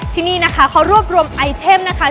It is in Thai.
ที่นี่นะคะเขารวบรวมไอเทมนะคะ